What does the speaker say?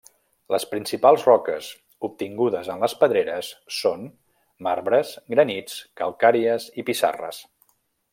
Les principals roques obtingudes en les pedreres són: marbres, granits, calcàries i pissarres.